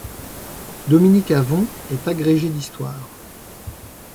Dominique Avon est agrégé d'histoire.